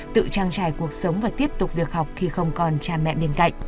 tự trang trải cuộc sống và tiếp tục việc học khi không còn cha mẹ bên cạnh